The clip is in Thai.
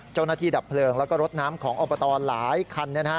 ดับเพลิงแล้วก็รถน้ำของอบตหลายคัน